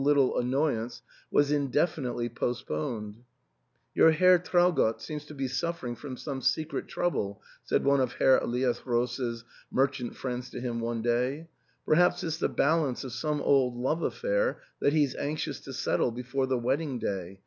little annoyance, was indefinitely postponed " Your Herr Traugott seems to be suflfering from some secret trouble," said one of Herr Elias Roos's merchant friends to him one day ;" perhaps it's the balance of some old love affair that he's anxious to settle before the wedding day.